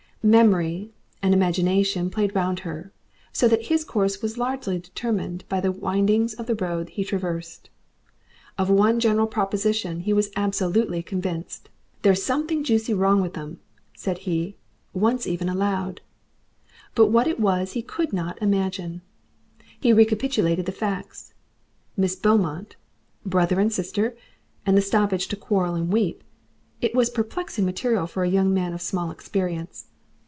Memory and imagination played round her, so that his course was largely determined by the windings of the road he traversed. Of one general proposition he was absolutely convinced. "There's something Juicy wrong with 'em," said he once even aloud. But what it was he could not imagine. He recapitulated the facts. "Miss Beaumont brother and sister and the stoppage to quarrel and weep " it was perplexing material for a young man of small experience.